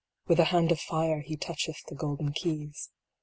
With a hand of fire he toucheth the golden keys.